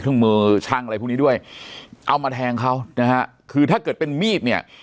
เครื่องมือช่างอะไรพวกนี้ด้วยเอามาแทงเขานะฮะคือถ้าเกิดเป็นมีดเนี่ย